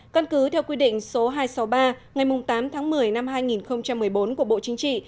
căn cứ theo quy định số hai trăm sáu mươi ba ngày tám tháng một mươi năm hai nghìn một mươi bốn của bộ chính trị